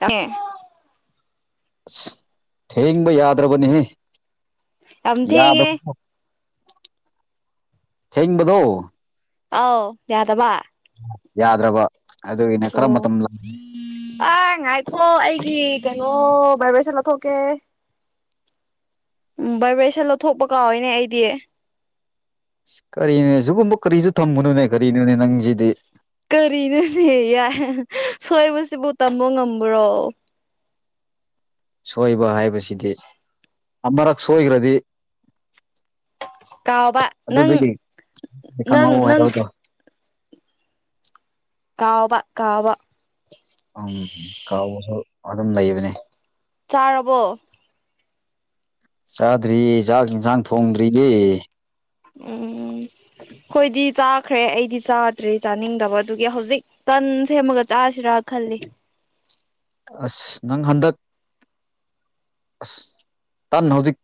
ꯑ [unintelligible] ꯑꯁ ꯊꯦꯡꯕ ꯌꯥꯗ꯭ꯔꯕꯅꯤꯍꯦ ꯊꯦꯡꯉꯦ [unintelligible] ꯑꯣ ꯌꯥꯗꯕꯥ ꯌꯥꯗ꯭ꯔꯕ ꯑꯗꯨꯒꯤꯅꯦ ꯀꯔꯝꯕ ꯃꯇꯝ ꯂ ꯍꯣ ꯑꯩꯒꯤ ꯀꯩꯅꯣ ꯕꯥꯏꯕꯔ꯭ꯁꯣꯟ ꯂꯧꯊꯣꯛꯀꯦ ꯎꯝ ꯚꯔ ꯚꯦꯁꯟ ꯂꯧꯊꯣꯛꯄ ꯀꯥꯎꯋꯏꯅꯦ ꯑꯩꯗꯤ ꯀꯔꯤꯅꯦ ꯁꯤꯒꯨꯝꯕ ꯀꯔꯤꯁꯨ ꯊꯝꯕꯅꯣꯅꯦ ꯀꯔꯤꯅꯣꯅꯦ ꯅꯪ ꯀꯔꯤꯅꯦꯅꯦ ꯌꯥ ꯁꯣꯏꯕꯁꯤꯕꯨ ꯇꯝꯕ ꯉꯝꯕ꯭ꯔꯣ ꯁꯣꯏꯕ ꯍꯥꯏꯕꯁꯤꯗꯤ ꯑꯃꯔꯛ ꯁꯣꯏꯈ꯭ꯔꯗꯤ ꯀꯥꯎꯕ ꯅꯪ ꯑꯗꯨꯗꯒꯤ ꯅꯪ ꯈꯪꯍꯧ ꯅꯪ ꯍꯥꯏꯕꯗꯣ ꯀꯥꯎꯕ ꯀꯥꯎꯕ ꯀꯥꯎꯕꯁꯨ ꯑꯗꯨꯝ ꯂꯩꯕꯅꯤ ꯆꯥꯔꯕꯣ ꯆꯥꯗ꯭ꯔꯤ ꯆꯥꯛ ꯏꯟꯁꯥꯡ ꯊꯣꯡꯗ꯭ꯔꯤꯌꯦ ꯎꯝ ꯍꯣꯏꯗꯤ ꯆꯥꯈ꯭ꯔꯦ ꯑꯩꯗꯤ ꯆꯥꯗ꯭ꯔꯦ ꯆꯥꯅꯤꯡꯗꯕ ꯑꯗꯨꯒꯤ ꯍꯧꯖꯤꯛ ꯀꯟ ꯁꯦꯝꯃꯒ ꯆꯥꯁꯤꯔꯥ ꯈꯜꯂꯤ ꯑꯁ ꯅꯪ ꯍꯟꯗꯛ ꯑꯁ ꯇꯥꯟꯅ ꯍꯧꯖꯤꯛ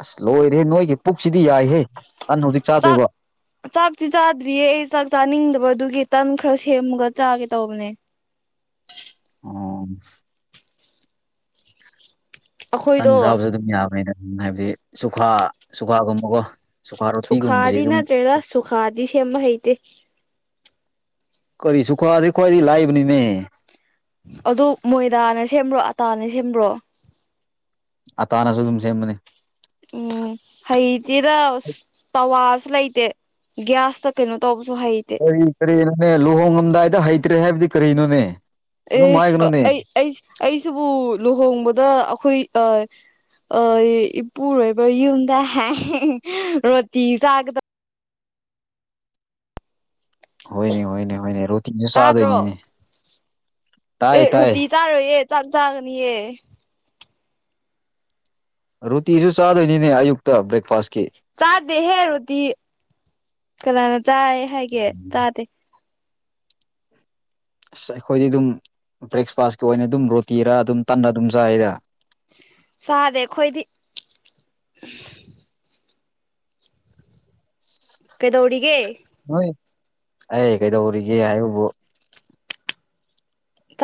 ꯑꯁ ꯂꯣꯏꯔꯦ ꯅꯣꯏꯒꯤ ꯄꯨꯛꯁꯤꯗꯤ ꯌꯥꯏꯍꯦ ꯇꯟ ꯍꯧꯖꯤꯛ ꯆꯥꯛ ꯆꯥꯗꯣꯏꯕ ꯆꯥꯛꯇꯤ ꯆꯥꯗ꯭ꯔꯤꯌꯦ ꯑꯩ ꯆꯥꯛ ꯆꯥꯅꯤꯡꯗꯕꯗꯨ ꯒꯤ ꯇꯟ ꯈꯔ ꯁꯦꯝꯃꯒ ꯆꯥꯒꯦ ꯇꯧꯕꯅꯦ ꯑꯣ ꯇꯟ ꯑꯩꯈꯣꯏꯗꯣ ꯆꯥꯕꯁꯨ ꯑꯗꯨꯝ ꯌꯥꯕꯅꯤꯅ ꯍꯥꯏꯕꯗꯤ ꯆꯨꯈꯥ ꯆꯨꯈꯥꯒꯨꯝꯕꯀꯣ ꯁꯨꯈꯥꯗꯤ ꯅꯠꯇ꯭ꯔꯦꯔ ꯁꯨꯈꯥꯗꯤ ꯁꯦꯝꯕ ꯍꯩꯇꯦ ꯀꯔꯤ ꯁꯨꯈꯥꯗꯤ ꯈ꯭ꯋꯥꯗꯤ ꯈ꯭ꯋꯥꯏꯗꯤ ꯂꯥꯛꯕꯅꯤꯅꯦ ꯑꯗꯨ ꯃꯣꯏꯗꯥꯅ ꯁꯦꯝꯕ꯭ꯔꯣ ꯑꯇꯥꯅꯦ ꯁꯦꯝꯕ꯭ꯔꯣ ꯑꯇꯥꯅꯁꯨ ꯑꯗꯨꯝ ꯁꯦꯝꯕꯅꯦ ꯎꯝ ꯍꯩꯇꯤꯗ ꯑꯁ ꯇꯋꯥ ꯂꯩꯇꯦ ꯒ꯭ꯌꯥꯁꯇ ꯀꯩꯅꯣ ꯇꯧꯕ ꯀꯔꯤ ꯀꯔꯤꯅꯣꯅꯦ ꯂꯨꯍꯣꯡꯉꯝꯗꯥꯏꯗ ꯍꯩꯇ꯭ꯔꯦ ꯍꯥꯏꯕꯗꯤ ꯀꯔꯤꯅꯣꯅꯦ ꯑꯗꯨꯝ ꯑꯦꯁ ꯍꯥꯏꯒꯅꯨꯅꯦ ꯑꯩ ꯑꯩ ꯑꯩꯁꯤꯕꯨ ꯂꯨꯍꯣꯡꯕꯗ ꯑꯈꯣꯏ ꯑ ꯑ ꯏꯄꯨꯔꯣꯏꯕ ꯌꯨꯝꯗ ꯔꯣꯇꯤ ꯆꯥꯒꯗ ꯍꯣꯏꯅꯦ ꯍꯣꯏꯅꯦ ꯍꯣꯏꯅꯦ ꯔꯨꯠ ꯇꯥꯗ꯭ꯔꯣ ꯇꯥꯏ ꯑꯦ ꯇꯥꯏ ꯔꯣꯇꯤ ꯆꯥꯔꯣꯏ ꯌꯦ ꯆꯥꯛ ꯆꯥꯒꯅꯤꯌꯦ ꯔꯨꯇꯤꯁꯨ ꯆꯥꯗꯣꯏꯅꯤꯅꯦ ꯑꯌꯨꯛꯇ ꯕ꯭ꯔꯦꯛꯐꯥꯁꯀꯤ ꯆꯥꯗꯦ ꯍꯦ ꯔꯣꯇꯤ ꯀꯅꯥꯅ ꯆꯥꯏ ꯍꯥꯏꯒꯦ ꯆꯥꯗꯦ ꯑꯁ ꯑꯩꯈꯣꯏꯗꯤ ꯑꯗꯨꯝ ꯕ꯭ꯔꯦꯛꯐꯥꯁꯀꯤ ꯑꯣꯏꯅ ꯑꯗꯨꯝ ꯔꯣꯇꯤꯔ ꯑꯗꯨꯝ ꯇꯟꯅ ꯑꯗꯨꯝ ꯆꯥꯏꯗ ꯆꯥꯗꯦ ꯑꯈꯣꯏꯗꯤ ꯀꯩꯗꯧꯔꯤꯒꯦ ꯍꯣꯏ ꯑꯩ ꯀꯩꯗꯧꯔꯤꯒꯦ ꯍꯥꯏꯕꯕꯨ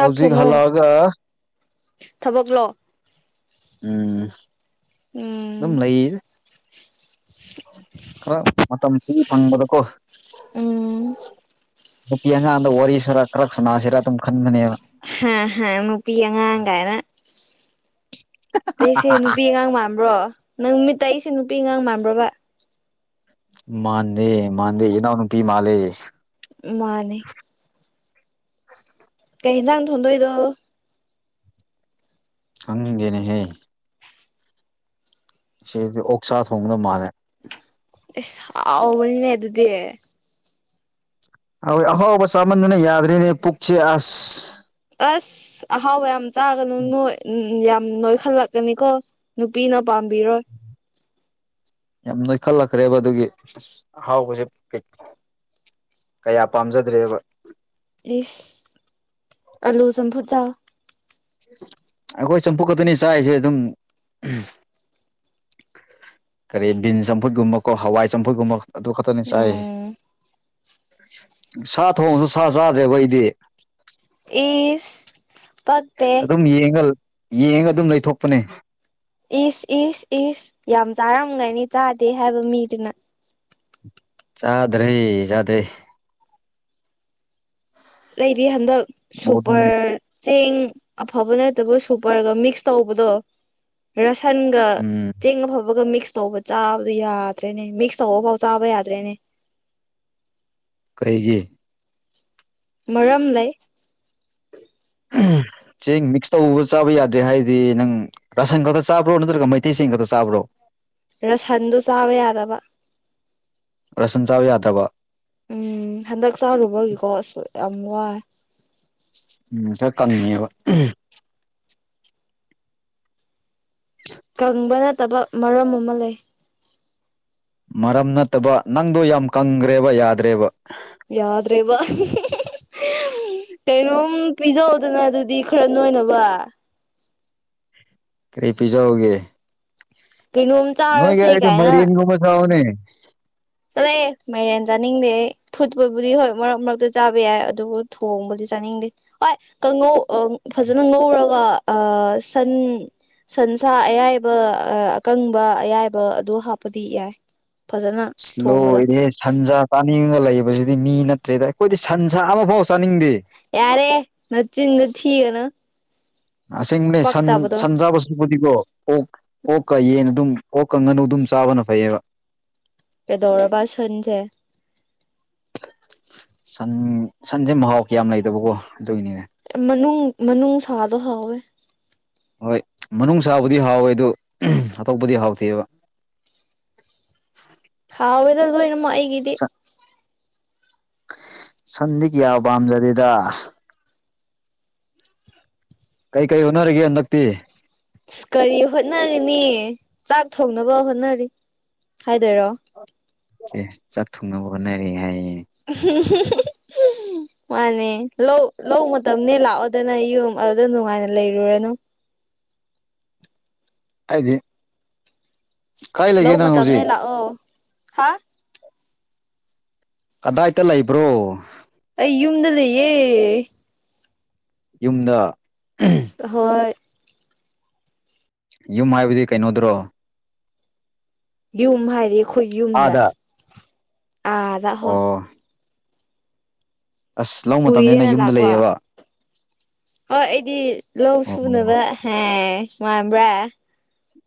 ꯍꯧꯖꯤꯛ ꯍꯜꯂꯛꯑꯒ ꯊꯕꯛ ꯂꯣ ꯎꯝ ꯎꯝ ꯑꯗꯨꯝ ꯂꯩꯌꯦ ꯈꯔ ꯃꯇꯝ ꯊ ꯐꯪꯕꯗꯀꯣ ꯎꯝ ꯅꯨꯄꯤ ꯑꯉꯥꯡꯗ ꯋꯥꯔꯤꯁꯤꯔ ꯈꯔ ꯁꯅꯥꯁꯤꯔ ꯑꯗꯨꯝ ꯈꯟꯕꯅꯦꯕ ꯍꯥ ꯍ ꯅꯨꯄꯤ ꯑꯉꯥꯡ ꯀꯥꯏꯅ ꯑꯩꯁꯦ ꯅꯨꯄꯤ ꯑꯉꯥꯡ ꯃꯥꯟꯕ꯭ꯔꯣ ꯅꯪ ꯅꯨꯃꯤꯠꯇ ꯑꯩꯁꯦ ꯅꯨꯄꯤ ꯑꯉꯥꯡ ꯃꯥꯟꯕ꯭ꯔꯣꯕ ꯃꯥꯟꯗꯦ ꯃꯥꯥꯟꯗꯦ ꯏꯅꯥꯎ ꯅꯨꯄꯤ ꯃꯥꯂꯦ ꯃꯥꯅꯦ [unintelligible] ꯀꯩ ꯍꯤꯟꯖꯥꯡ ꯊꯣꯟꯗꯣꯏꯅꯣ ꯈꯪꯗꯦꯅꯦꯍꯦ ꯁꯤꯗꯤ ꯑꯣꯛꯁꯥ ꯊꯣꯡꯕꯗꯣ ꯃꯥꯂꯦ ꯏꯁ ꯍꯥꯎꯕꯅꯤꯅꯦ ꯑꯗꯨꯗꯤ ꯍꯣꯏ ꯑꯍꯥꯎꯕ ꯆꯥꯃꯟꯗꯅ ꯌꯥꯗ꯭ꯔꯤꯅꯦ ꯄꯨꯛꯁꯦ ꯑꯁ ꯑꯁ ꯑꯍꯥꯎꯕ ꯌꯥꯝ ꯆꯥꯒꯅꯨ ꯅꯣꯏ ꯌꯥꯝ ꯅꯣꯏꯈꯠꯂꯛꯀꯅꯤꯀꯣ ꯅꯨꯄꯤꯅ ꯄꯥꯝꯕꯤꯔꯣꯏ ꯌꯥꯝ ꯅꯣꯏꯈꯠꯂꯛꯈ꯭ꯔꯦꯕ ꯑꯗꯨꯒꯤ ꯑꯁ ꯑꯍꯥꯎꯕꯁꯦ ꯀꯩ ꯀꯌꯥ ꯄꯥꯝꯖꯗ꯭ꯔꯦꯕ ꯏꯁ ꯑꯂꯨ ꯆꯝꯐꯨꯠ ꯆꯥꯎ ꯑꯩꯈꯣꯏ ꯆꯝꯐꯨ ꯈꯛꯇꯅꯤ ꯆꯥꯛꯔꯤꯁꯦ ꯑꯗꯨꯝ ꯀꯔꯤ ꯕꯤꯟ ꯆꯝꯐꯨꯠꯀꯨꯝꯕꯀꯣ ꯍꯋꯥꯏ ꯆꯝꯐꯨꯠꯀꯨꯝꯕ ꯑꯗꯨ ꯈꯠꯇꯅꯤ ꯆꯥꯏꯖꯤ ꯎꯝ ꯁꯥ ꯊꯣꯡꯁꯨ ꯁꯥ ꯆꯥꯗ꯭ꯔꯦꯕ ꯑꯩꯗꯤ ꯏꯤꯁ ꯑꯗꯨꯝ ꯌꯦꯡꯉ ꯌꯦꯡꯉ ꯑꯗꯨꯝ ꯂꯩꯊꯣꯛꯄꯅꯦ ꯏꯁ ꯏꯁ ꯏꯁ ꯌꯥꯝ ꯆꯥꯔꯝꯒꯅꯤ ꯆꯥꯗꯦ ꯍꯥꯏꯕ ꯃꯤꯗꯨꯅ ꯆꯥꯗ꯭ꯔꯦ ꯆꯥꯗꯦ ꯑꯩꯕꯤ ꯍꯟꯗꯛ ꯕꯣꯗꯤ ꯁꯨꯄꯔ ꯆꯦꯡ ꯑꯐꯕ ꯅꯠꯇꯕ ꯁꯨꯄꯔꯒ ꯃꯤꯛꯁ ꯇꯧꯕꯗꯣ ꯔꯁꯟꯒ ꯎꯝ ꯆꯦꯡ ꯑꯐ ꯕꯒ ꯃꯤꯛꯁ ꯇꯧꯕ ꯆꯥꯕꯗꯣ ꯌꯥꯗ꯭ꯔꯦꯅꯦ ꯃꯤꯛꯁ ꯇꯧꯕꯐꯥꯎ ꯆꯥꯕ ꯌꯥꯗ꯭ꯔꯦꯅꯦ ꯀꯩꯒꯤ ꯃꯔꯝ ꯂꯩ ꯆꯦꯡ ꯃꯤꯛꯁ ꯇꯧꯕ ꯆꯥꯕ ꯌꯥꯗ꯭ꯔꯦ ꯍꯥꯏꯗꯤ ꯅꯪ ꯔꯥꯁꯟ ꯈꯛꯇ ꯆꯥꯕ꯭ꯔꯣ ꯅꯠꯇ꯭ꯔꯒ ꯃꯩꯇꯩꯁꯤꯡ ꯈꯛꯇ ꯆꯥꯕ꯭ꯔꯣ ꯔꯁꯟꯗꯨ ꯆꯥꯕ ꯌꯥꯗꯕ ꯔꯁꯟ ꯆꯥꯎ ꯌꯥꯗ꯭ꯔꯕ ꯎꯝ ꯍꯟꯗꯛ ꯆꯥꯔꯨꯕꯒꯤꯀꯣ ꯑꯁꯨ ꯌꯥꯝ ꯋꯥꯏ ꯎꯝ ꯈꯔ ꯀꯪꯉꯕ ꯀꯪꯕ ꯅꯠꯇꯕ ꯃꯔꯝ ꯑꯃ ꯂꯩ ꯃꯔꯝ ꯅꯠꯇꯕ ꯅꯪꯗꯣ ꯌꯥꯝ ꯀꯪꯈ꯭ꯔꯦꯕ ꯌꯥꯗ꯭ꯔꯦꯕ ꯌꯥꯎꯗ꯭ꯔꯦꯕ ꯀꯩꯅꯣꯝ ꯄꯤꯖꯧꯗꯅ ꯑꯗꯨꯗꯤ ꯈꯔ ꯅꯣꯏꯅꯕ ꯀꯔꯤ ꯄꯤꯖꯎꯒꯦ ꯀꯩꯅꯣꯝ ꯅ ꯆꯥꯔꯁꯦ ꯌꯥ ꯃꯔꯤꯟꯒꯨꯝꯕ ꯆꯑꯣꯅꯦ ꯆꯠꯂꯑꯦ ꯃꯥꯏꯔꯦꯟ ꯆꯥꯅꯤꯡꯗꯦ ꯐꯨꯠꯄꯕꯨꯗꯤ ꯍꯣꯏ ꯃꯔꯛ ꯃꯔꯛꯇ ꯆꯥꯕ ꯌꯥꯏ ꯑꯗꯨꯕꯨ ꯊꯣꯡꯕꯗꯤ ꯆꯥꯅꯤꯡꯗꯦ ꯍꯣꯏꯉꯧ ꯐꯖꯅ ꯉꯧꯔꯒ ꯑ ꯁꯟ ꯁꯟꯁꯥ ꯑꯌꯥꯏꯕ ꯑꯀꯪꯕ ꯑꯌꯥꯏꯕ ꯑꯗꯨ ꯍꯥꯞꯄꯗꯤ ꯌꯥꯏ ꯐꯖꯅ ꯑꯁ ꯊꯣꯡꯕꯗꯣ ꯂꯣꯏꯔꯦ ꯁꯟꯁꯥ ꯆꯥꯅꯤꯡꯉꯒ ꯂꯩꯕꯁꯤꯗꯤ ꯃꯤ ꯅꯠꯇ꯭ꯔꯦꯗ ꯑꯩꯈꯣꯏꯗꯤ ꯁꯟꯁꯥ ꯑꯃꯐꯥꯎ ꯆꯥꯅꯤꯡꯗꯦ ꯌꯥꯔꯦ ꯅꯆꯤꯟꯅ ꯊꯒꯅ ꯑꯁꯦꯡꯕꯅꯦ ꯁꯟ ꯁꯟ ꯆꯥꯕꯕꯁꯤꯕꯨꯗꯤꯀꯣ ꯑꯣꯛ ꯑꯣꯛꯀ ꯌꯦꯟ ꯑꯗꯨꯝ ꯑꯣꯛꯀꯪ ꯉꯥꯅꯨ ꯑꯗꯨꯝ ꯆꯥꯕꯅ ꯐꯩꯌꯦꯕ ꯄꯗꯧꯔꯕ ꯁꯟꯖꯦ ꯁꯟ ꯁꯟꯁꯦ ꯃꯍꯥꯎ ꯀꯌꯥꯝ ꯂꯩꯗꯕꯀꯣ ꯑꯗꯨꯒꯤꯅꯤꯅꯦ ꯃꯅꯨꯡ ꯃꯅꯨꯡ ꯁꯥꯗꯣ ꯍꯥꯎꯋꯦ ꯍꯣꯏ ꯃꯅꯨꯡ ꯆꯥꯕꯨꯗꯤ ꯍꯥꯎꯋꯦ ꯑꯗꯨ ꯑꯇꯣꯞꯄꯗꯤ ꯍꯥꯎꯇꯦꯕ [unintelligible] ꯑꯋꯦꯗꯗꯅꯃꯣ ꯑꯩꯒꯗꯤ ꯁꯟꯗꯤꯛ ꯌꯥ ꯄꯝꯖꯗꯦꯗꯥ ꯀꯩ ꯀꯩ ꯍꯨꯅꯔꯒ ꯍꯗꯛꯇꯤ ꯑ ꯀꯔꯤ ꯍꯣꯠꯅꯒꯅꯤ ꯆꯥꯛ ꯊꯣꯡꯅꯕ ꯍꯣꯠꯅꯔꯤ ꯍꯥꯏꯗꯣꯏꯔꯣ ꯆꯥꯛ ꯊꯨꯡꯅꯕ ꯍꯣꯠꯅꯔꯤ ꯍꯥꯏꯌꯦ [unintelligible] ꯃꯥꯅꯦ ꯂꯧ ꯂꯧꯅꯦ ꯂꯥꯛꯑꯣꯗꯅ ꯌꯨꯝ ꯑꯗꯨꯗ ꯅꯨꯡꯉꯥꯏꯅ ꯂꯩꯔꯨꯔꯅꯨ ꯍꯥꯏꯗꯤ ꯀꯥꯏ ꯂꯩꯒꯦ ꯂꯧ ꯅꯪ ꯃꯇꯝꯅꯦ ꯍꯧꯖꯤꯛ ꯂꯥꯛꯑꯣ ꯍꯥ ꯀꯗꯥꯏꯗ ꯂꯩꯕ꯭ꯔꯣ ꯑꯩꯌꯨꯝꯗ ꯂꯩꯌꯦꯦ ꯌꯨꯝꯗ ꯍꯣꯏ ꯌꯨꯝ ꯍꯥꯏꯕꯗꯤ ꯀꯩꯅꯣꯗ꯭ꯔꯣ ꯌꯨꯝ ꯍꯥꯏꯗꯤ ꯑꯩꯈꯣꯏ ꯌꯨꯝꯗ ꯑꯥꯗ ꯑꯥꯗ ꯍꯣꯏ ꯑꯣ ꯑꯁ ꯂ ꯃꯇꯝꯅꯤꯅ ꯀꯨꯏꯔꯦꯅ ꯌꯨꯝꯗ ꯂꯥꯛꯄ ꯂꯩꯌꯦꯕ ꯍꯣꯏ ꯑꯩꯗꯤ ꯂꯧ ꯑꯣ ꯁꯨꯅꯕ ꯍ ꯉꯥꯟꯕ꯭ꯔꯥ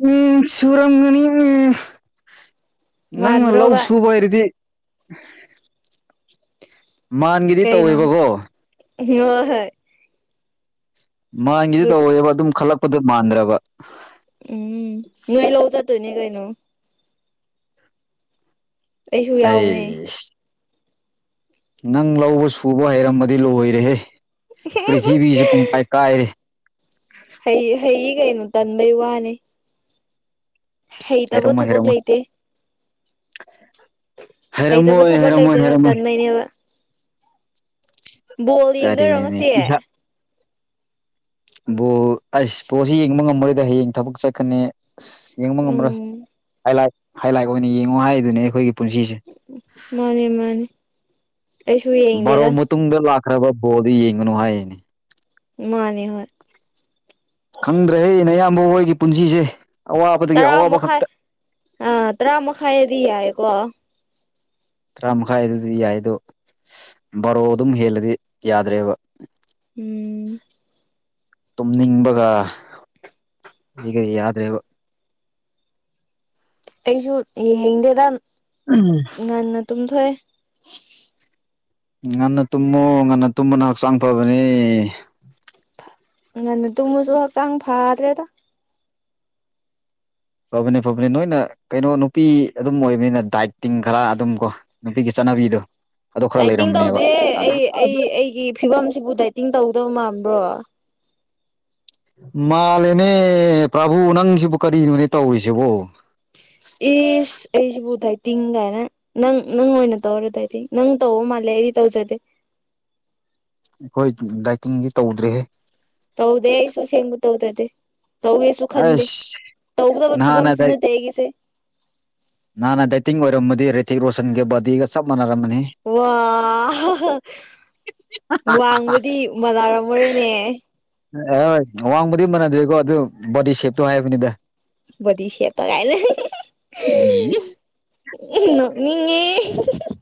ꯎꯝ ꯆꯨꯔꯝꯒꯅꯤ ꯅꯪꯅ ꯂꯧ ꯃꯥꯟꯗ꯭ꯔꯣꯕ ꯁꯨꯕ ꯍꯥꯏꯔꯗꯤ ꯃꯥꯟꯒꯤꯗꯤ ꯇꯧꯋꯦꯕꯀꯣ ꯍ ꯍꯣꯏ ꯃꯥꯥꯟꯒꯤꯗꯤ ꯑꯗꯨ ꯇꯧꯋꯦꯕ ꯑꯗꯨꯝ ꯈꯜꯂꯛꯄꯗ ꯃꯥꯟꯗ꯭ꯔꯕ ꯎꯝ ꯅꯣꯏ ꯂꯧꯕ ꯆ ꯇꯣꯏꯅꯤ ꯀꯥꯏ ꯅꯣꯏ ꯑꯩꯁꯨ ꯍ ꯌꯥꯎꯕꯅꯦ ꯅꯪ ꯂꯧꯕ ꯁꯨꯕ ꯍꯩꯔꯃꯗꯤ ꯂꯣꯏꯔꯦꯍꯦ ꯄ꯭ꯔꯤꯊꯤꯕꯤꯁꯤꯦ ꯄꯨꯡꯄꯥꯏ ꯀꯥꯏꯔꯦ ꯍꯩ ꯍꯩꯒꯩꯅꯨ ꯇꯟꯕꯩ ꯋꯥꯅꯦ ꯍꯩꯇꯕꯨꯣ ꯊꯕꯛ ꯂꯩꯇꯦ ꯍꯥꯏꯦꯔꯝꯣꯏ ꯍꯩꯇꯕ ꯊꯕꯛ ꯍꯥꯏꯦꯔꯃꯣꯏ ꯂꯩꯇꯦꯕ ꯍꯥꯏꯦꯔꯝꯃꯣꯏ ꯇꯟꯕꯩꯅꯦꯕ ꯕꯣꯜ ꯌꯦꯡꯗꯣꯏꯔꯣ ꯀꯔꯤꯅꯣꯅꯦ ꯉꯁꯤꯦ ꯕꯣ ꯑꯩꯁ ꯕꯣꯜꯁꯤ ꯌꯦꯡꯕ ꯉꯝꯃꯔꯣꯏꯗ ꯍꯌꯦꯡ ꯊꯕꯛ ꯆꯠꯀꯅꯤ ꯑꯁ ꯌꯦꯡꯕ ꯉꯝꯃꯔꯣꯏ ꯎꯝ ꯍꯥꯏ ꯂꯥꯏ ꯍꯥꯏ ꯂꯥꯏꯠ ꯑꯣꯏꯅ ꯌꯦꯡꯉꯣ ꯍꯥꯏꯗꯨꯅꯦ ꯑꯩꯈꯣꯏꯒꯤ ꯄꯨꯟꯁꯤꯁꯦ ꯃꯥꯅꯦ ꯃꯥꯅꯦ ꯑꯩꯁꯨ ꯕꯥꯔꯣ ꯌꯦꯡꯗꯦꯗ ꯃꯇꯨꯡꯗ ꯂꯥꯛꯈ꯭ꯔꯕ ꯕꯣꯜꯗꯨ ꯌꯦꯡꯒꯅꯨ ꯍꯥꯏꯌꯦꯅꯦ ꯃꯥꯅꯦꯅꯤꯍꯣꯏ ꯈꯪꯗ꯭ꯔꯦ ꯍꯌꯦꯩꯅ ꯑꯌꯥꯝꯕ ꯍꯣꯏꯒꯤ ꯄꯨꯟꯁꯤꯁꯦ ꯑꯋꯥꯕꯗꯒꯤ ꯇꯔꯥ ꯑꯋꯥꯕ ꯃꯈꯥꯏ ꯈꯛꯇ ꯑꯥ ꯇꯔꯥ ꯃꯈꯥꯏꯗꯤ ꯌꯥꯏꯀꯣ ꯇꯔꯥꯃꯥꯏ ꯑꯗꯨꯗꯤ ꯌꯥꯏ ꯑꯗꯣ ꯕꯥꯔꯣ ꯑꯗꯨꯝ ꯍꯦꯜꯂꯗꯤ ꯌꯥꯗ꯭ꯔꯦꯕ ꯎꯝ ꯇꯨꯝꯅꯤꯡꯕꯒ ꯑꯩ ꯀꯔꯤ ꯌꯥꯗ꯭ꯔꯦꯕ ꯑꯩꯁꯨ ꯌꯦꯡꯅꯤꯡꯗꯦꯗ ꯉꯟꯅ ꯇꯨꯝꯊꯣꯛꯑꯦ ꯉꯟꯅ ꯇꯨꯝꯃꯨ ꯉꯟꯅ ꯇꯨꯝꯕꯅ ꯍꯛꯆꯥꯡ ꯐꯕꯅꯤ ꯉꯟꯅ ꯇꯨꯃꯁꯨ ꯍꯛꯆꯥꯡ ꯐꯥꯗ꯭ꯔꯦꯗ ꯐꯕꯅꯤ ꯐꯕꯅꯤ ꯅꯣꯏꯅ ꯀꯩꯅꯣ ꯅꯨꯄꯤ ꯑꯗꯨꯝ ꯑꯣꯏꯕꯅꯤꯅ ꯗꯥꯏꯠꯇꯤꯡ ꯈꯔ ꯑꯗꯨꯝ ꯀꯣ ꯅꯨꯄꯤꯒꯤ ꯆꯠ ꯅꯕꯤꯗꯣ ꯗꯥꯏꯇꯤꯡ ꯇꯧꯗꯦ ꯑꯩ ꯑꯩ ꯑꯩꯒꯤ ꯐꯤꯕꯝꯁꯤꯕꯨ ꯗꯥꯏꯇꯤꯡ ꯇꯧ ꯃꯟꯕ꯭ꯔꯣ ꯃꯥꯂꯦꯅꯦ ꯄ꯭ꯔꯥꯚꯨ ꯅꯪꯁꯤꯕꯨ ꯀꯔꯤꯅꯣꯅꯦ ꯇꯧꯔꯤꯁꯤꯕꯣ ꯏꯁ ꯑꯩꯁꯤꯕꯨꯗꯥꯥꯏ ꯇꯤꯡꯒꯥꯏꯅ ꯅꯪ ꯅꯪ ꯑꯣꯏꯅ ꯇꯧꯔꯗꯥꯏꯗꯤ ꯅꯪ ꯇꯧ ꯃꯥꯜꯂꯦ ꯑꯩ ꯇꯧꯖꯗꯦ [inaudible] ꯑꯩꯈꯣꯏ ꯗꯥꯏꯇꯤꯡꯗꯤ ꯇꯧꯗ꯭ꯔꯦꯍꯦ ꯇꯧꯗꯦ ꯑꯩꯁꯨ ꯑꯁꯦꯡꯕ ꯇꯧꯗꯗꯦ ꯇꯧꯒꯦꯁꯨ ꯈꯟꯗꯦ ꯑꯁ ꯇꯧꯒꯗꯕ ꯅꯍꯥꯟꯅ ꯐꯤꯕꯝꯁꯨ ꯗꯥꯏ ꯅꯠꯇꯦ ꯑꯩꯒꯤꯁꯦ ꯇꯤꯡ ꯑꯣꯏꯔꯝꯝꯕꯗꯤ ꯔꯦꯇꯤꯛ ꯔꯣꯁꯟꯒ ꯕꯗꯤꯒ ꯆꯞ ꯃꯅꯔꯝꯃꯅꯤ ꯋꯥꯑꯣ ꯍꯥ ꯍꯥ ꯍꯥ ꯋꯥꯡꯕꯗꯤ ꯃꯅꯥꯥꯔꯝꯃꯔꯝꯔꯣꯏꯅꯦ ꯍꯥ ꯑꯥ ꯋꯥꯡꯕꯗꯤ ꯃꯥꯟꯅꯗ꯭ꯔꯦꯀꯣ ꯑꯗꯨ ꯕꯣꯗꯤ ꯁꯦꯞꯇꯣ ꯍꯥꯏꯕꯅꯤꯗ ꯕꯗꯦ ꯁꯦꯇ ꯒꯥꯏꯗꯅ ꯍꯦ ꯍꯦ ꯍꯦ ꯍꯦ ꯎꯝ ꯌꯨꯁ ꯅꯣꯛ ꯅꯤꯡꯉꯦ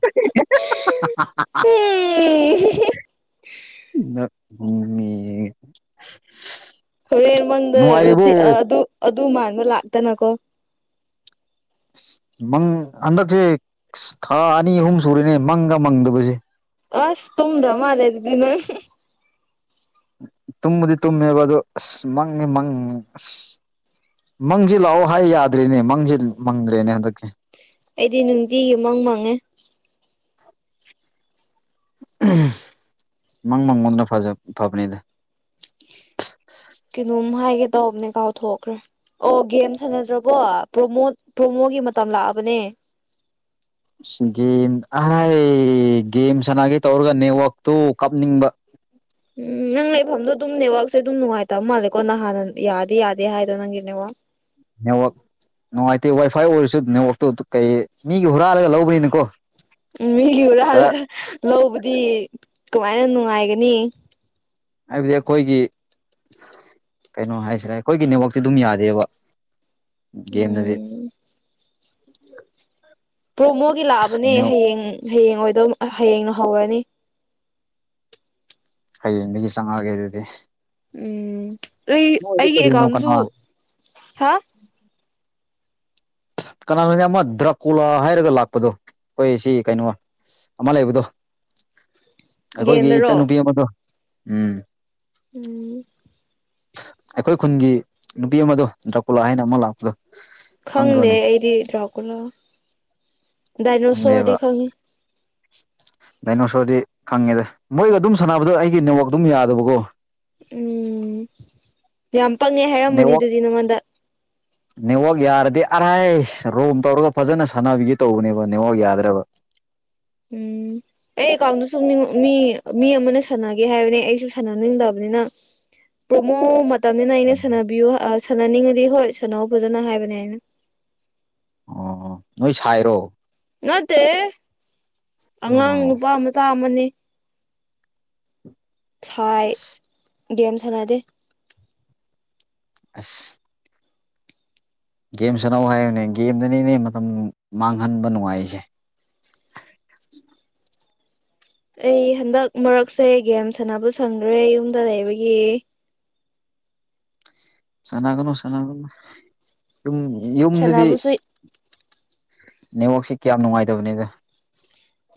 ꯍꯦ ꯍꯦ ꯍꯥ ꯍꯥ ꯍꯥ ꯍꯥ ꯍꯥ ꯍꯦ ꯍꯦ ꯍꯦ ꯒꯨꯝꯃꯤꯌꯦ ꯑꯁ ꯍꯣꯔꯦꯟ ꯃꯪꯗ ꯔꯣꯇꯤ ꯑꯗꯨ ꯑꯗꯨ ꯃꯥꯟꯕ ꯂꯥꯛꯇꯅꯀꯣ ꯃꯪ ꯍꯟꯗꯛꯁꯦ ꯊꯥ ꯑꯅꯤ ꯑꯍꯨꯝ ꯁꯨꯔꯦꯅꯦ ꯃꯪꯒ ꯃꯪꯗꯕꯁꯦ ꯑꯁ ꯇꯨꯝꯗ꯭ꯔꯥ ꯃꯥꯂꯩ ꯑꯗꯨꯗꯤ ꯅꯪ ꯇꯨꯝꯃꯗꯤ ꯇꯨꯝꯃꯦꯕ ꯑ ꯑꯗꯨꯣ ꯑꯁ ꯃꯪꯉꯤ ꯃꯪ ꯑꯁ ꯃꯪꯁꯤ ꯂꯥꯛꯑꯣ ꯍꯥꯏ ꯌꯥꯗ꯭ꯔꯦꯅꯦ ꯃꯪꯁꯤ ꯃꯪꯗ꯭ꯔꯦꯅꯦ ꯍꯟꯗꯛꯀꯤ ꯑꯩꯗꯤ ꯅꯨꯡꯇꯤꯒꯤ ꯃꯪ ꯃꯪꯉꯦ ꯃꯪ ꯃꯪꯉꯣꯟꯗ ꯐꯖ ꯐꯕꯅꯤꯗ ꯀꯩꯅꯣꯝ ꯍꯥꯏꯒꯦ ꯇꯧꯕꯕꯅꯦ ꯀꯥꯎ ꯊꯣꯛꯈ꯭ꯔꯦ ꯑꯣ ꯒꯦꯝ ꯁꯥꯟꯅꯗ꯭ꯔꯕꯣ ꯄ꯭ꯔꯣꯃꯣ ꯄ꯭ꯔꯣꯃꯣꯒꯤ ꯃꯇꯝ ꯂꯥꯛꯑꯕꯅꯦ [inaudible] ꯒꯦꯝ ꯑꯔꯥꯏ ꯒꯦꯝ ꯁꯅꯒꯦ ꯇꯧꯔꯒ ꯅꯦꯠꯋꯥꯛꯇꯨ ꯀꯥꯞꯅꯤꯡꯕ ꯎꯝ ꯅꯪ ꯂꯩꯐꯝꯗꯣ ꯑꯗꯨꯝ ꯅꯦꯋꯥꯛꯁꯦ ꯑꯗꯨꯝ ꯅꯨꯡꯉꯥꯏꯇꯕ ꯃꯥꯜꯂꯦꯀꯣ ꯅꯍꯥꯟꯅ ꯌꯥꯗꯤꯦ ꯌꯥꯗꯦ ꯍꯥꯏꯗꯣ ꯅꯪꯒꯤ ꯅꯦꯋꯥꯛ ꯅꯦꯠꯋꯥꯛ ꯅꯨꯡꯉꯥꯏꯇꯦ ꯋꯥꯏꯐꯥꯏ ꯑꯣꯏꯔꯁꯨ ꯅꯦꯠꯋꯥꯛꯇꯨ ꯀꯩ ꯃꯤꯒꯤ ꯍꯨꯔꯥꯜꯂꯒ ꯂꯧꯕꯅꯤꯅꯀꯣ ꯎ ꯃꯤꯒꯤ ꯈꯔ ꯎꯨꯔꯥꯜꯂꯒ ꯂꯧꯕꯗꯤ ꯀꯃꯥꯏꯅ ꯅꯨꯡꯉꯥꯏꯒꯅꯤ ꯍꯥꯏꯕꯗꯤ ꯑꯩꯈꯣꯏꯒꯤ ꯀꯩꯅꯣ ꯍꯥꯏꯁꯤꯔꯦ ꯑꯩꯈꯣꯏꯒꯤ ꯅꯦꯠꯋꯥꯛꯇꯤ ꯑꯗꯨꯝ ꯌꯥꯗꯦꯕ ꯒꯦꯝꯗꯗꯤ ꯎꯝ [unintelligible] ꯄ꯭ꯔꯣꯛ ꯃꯣꯒꯤ ꯂꯥꯛꯑꯕꯅꯦ ꯅꯦꯠꯋꯥꯛ ꯍꯌꯦꯡ ꯍꯌꯦꯡ ꯑꯣꯏꯗꯧ ꯍꯌꯦꯡ ꯍꯧꯔꯅꯤ ꯍꯌꯦꯗꯒꯤ ꯆꯉꯛ ꯑꯥꯒꯦ ꯑꯗꯨꯗꯤ ꯎꯝ ꯑꯩ ꯃꯣꯏꯁꯦ ꯑꯩꯒꯤ ꯀꯔꯤꯅꯣ ꯀꯅꯥ ꯑꯦꯀꯥꯎꯟꯁꯨ ꯍꯥ ꯀꯅꯥꯅꯣꯅꯦ ꯑꯃ ꯗ꯭ꯔꯀꯣꯂꯥ ꯍꯥꯏꯔꯒ ꯂꯥꯛꯄꯗꯣ ꯑꯩꯈꯣꯏ ꯁꯤ ꯀꯩꯅꯣ ꯑꯃ ꯂꯩꯕꯗꯣ ꯑꯩꯈꯣꯏꯒꯤ ꯒꯦꯝꯗꯔꯣ ꯏꯆꯟꯅꯨꯄꯤ ꯑꯃꯗꯣ ꯎꯝ ꯎꯝ ꯑꯩꯈꯣꯏ ꯈꯨꯟꯒꯤ ꯅꯨꯄꯤ ꯑꯃꯗꯣ ꯗ꯭ꯔꯀꯨꯂꯥ ꯍꯥꯏꯅ ꯑꯃ ꯂꯥꯛꯄꯗꯣ ꯈꯪꯗꯦ ꯈꯪꯗ꯭ꯔꯣꯅꯦ ꯑꯩꯗꯤ ꯂꯥꯛꯀꯅ ꯗꯥꯏꯅꯣꯁꯣꯔꯗꯤ ꯈꯪꯗꯦꯕ ꯈꯪꯉꯤ ꯗꯥꯏꯅꯣꯁꯣꯔꯗꯤ ꯈꯪꯉꯦꯗ ꯃꯣꯏꯒ ꯑꯗꯨꯝ ꯁꯥꯟꯅꯕꯗ ꯑꯩꯒꯤ ꯅꯦꯠꯋꯥꯛ ꯑꯗꯨꯝ ꯌꯥꯗꯕꯀꯣ ꯎꯝ ꯌꯥꯝ ꯄꯛꯉ ꯍꯥꯏꯔꯝꯃꯅꯤ ꯅꯦꯠꯋꯥꯛ ꯑꯗꯨꯗꯤ ꯅꯉꯣꯟꯗ ꯅꯦꯠꯋꯥꯛ ꯌꯥꯔꯗꯤ ꯑꯔꯥꯏ ꯔꯣꯝ ꯇꯧꯔꯒ ꯐꯖꯅ ꯁꯥꯟꯅꯕꯤꯒꯦ ꯇꯧꯕꯅꯦꯕ ꯅꯦꯠꯋꯥꯛ ꯌꯥꯗ꯭ꯔꯕ [unintelligible] ꯎꯝ ꯑꯩ ꯑꯦꯀꯥꯎꯟꯗ ꯁꯨꯝ ꯃꯤ ꯃꯤ ꯑꯃꯅ ꯁꯥꯟꯅꯒꯦ ꯍꯥꯏꯕꯅꯦ ꯑꯩꯁꯨ ꯁꯥꯟꯅꯅꯤꯡꯗꯕꯅꯤ ꯄ꯭ꯔꯣꯃꯣ ꯇꯝꯅꯤꯅ ꯑꯩꯅ ꯁꯥꯟꯅꯕꯤꯌꯨ ꯁꯥꯟꯅꯅꯤꯡꯉꯗꯤ ꯍꯣꯏ ꯁꯥꯟꯅꯧ ꯐꯖꯅ ꯍꯥꯏꯕꯅꯦ ꯑꯩꯅ ꯑꯣ ꯅꯣꯏ ꯁꯥꯏꯔꯣ ꯅꯠꯇꯦ ꯑꯣ ꯑꯉꯥꯡ ꯅꯨꯄꯥ ꯃꯆꯥ ꯑꯃꯅꯤ ꯁꯥꯏ ꯑꯁ ꯦꯝ ꯁꯅꯥꯗꯦ ꯑꯁ ꯒꯦꯝ ꯁꯠꯅꯧ ꯍꯥꯏꯕꯅꯦ ꯒꯦꯝꯗꯅꯤꯅꯦ ꯃꯇꯝ ꯃꯥꯡꯍꯟꯕ ꯅꯨꯡꯉꯥꯏꯁꯦ [unintelligible] ꯑꯩ ꯍꯟꯗꯛ ꯃꯔꯛꯁꯦ ꯒꯦꯝ ꯁꯥꯟꯅꯕ ꯁꯪꯈ꯭ꯔꯦ ꯌꯨꯝꯗ ꯂꯩꯕꯒꯤ [unintelligible] ꯁꯥꯟꯅꯒꯅꯨ ꯁꯅꯥꯒꯅꯨ ꯌꯨꯝ ꯌꯨꯝꯗꯗꯤ ꯁꯥꯟꯅꯕꯁꯨ ꯅꯤꯉꯣꯛꯁꯤꯦ ꯀꯌꯥꯝ ꯅꯨꯡꯉꯥꯏꯇꯕꯅꯤꯗ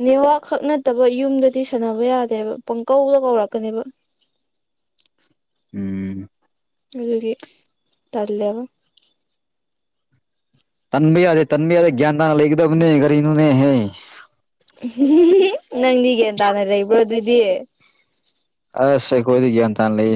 ꯅꯦꯋꯥ ꯈꯛ ꯅꯠꯇꯕ ꯌꯨꯝꯗꯗꯤ ꯁꯥꯟꯅꯕ ꯌꯥꯗꯦꯕ ꯄꯪꯀꯧꯗ ꯀꯧꯔꯛꯀꯅꯦꯕ ꯎꯝ ꯑꯗꯨꯒꯤ ꯇꯜꯂꯦꯕ ꯇꯟꯕꯤ ꯌꯥꯗꯦ ꯇꯟꯕꯤ ꯌꯥꯗꯦ ꯭ꯌꯥꯟ ꯇꯅ ꯂꯩꯗꯝꯅꯦ ꯔꯤꯅꯨꯅꯦ ꯍꯦ ꯎ ꯅꯪꯗꯤ ꯒ꯭ꯌꯥꯟ ꯇꯥꯅ ꯂꯩꯕ꯭ꯔꯣ ꯑꯗꯨꯏꯗꯤ ꯑꯁꯦ ꯀꯣꯏꯗꯒꯦ ꯇꯥꯟ ꯂꯩ